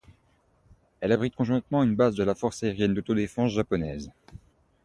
Elle abrite conjointement une base de la Force aérienne d'autodéfense japonaise.